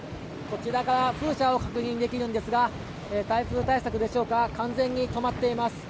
こちらから風車を確認できるんですが台風対策でしょうか完全に止まっています。